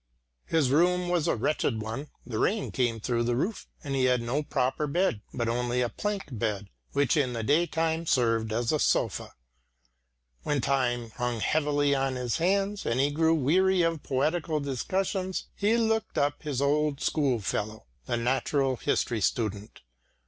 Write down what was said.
His room was a wretched one; the rain came through the roof, and he had no proper bed, but only a plank bed, which in the day time served as a sofa. When time hung heavily on his hands and he grew weary of poetical discussions he looked up his old school fellow, the natural history student.